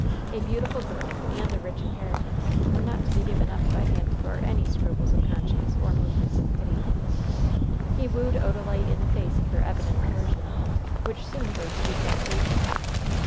A beautiful girl and a rich inheritance were not to be given up by him for any scruples of conscience or movements of pity. He wooed Odalite in the face of her evident aversion, which soon grew to detestation.